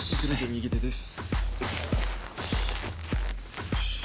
右手です。